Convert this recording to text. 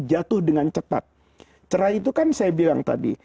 jatuh dengan cepat cerai itu kan saya bilang tadi